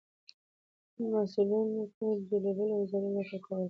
ب : د مصلحتونو جلبول او د ضرر دفعه کول